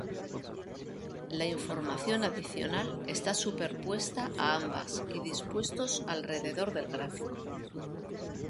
La información adicional está superpuesta a ambas y dispuestos alrededor del gráfico.